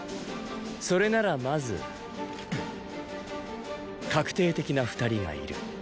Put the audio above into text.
それならまず確定的な二人がいる。